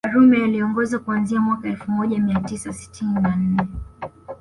Karume aliongoza kuanzia mwaka elfu moja mia tisa sitini na nne